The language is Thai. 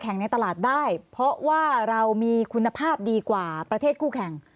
ในตลาดได้เพราะว่าเรามีคุณภาพดีกว่าประเทศคู่แข่ง